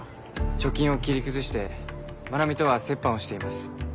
貯金を切り崩して真名美とは折半をしています。